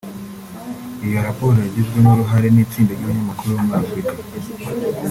Iyo raporo yagizwemo uruhare n’itsinda ry’abanyamakuru bo muri Afurika